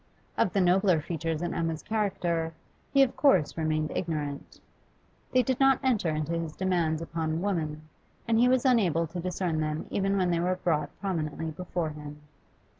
Of the nobler features in Emma's character, he of course remained ignorant; they did not enter into his demands upon woman, and he was unable to discern them even when they were brought prominently before him.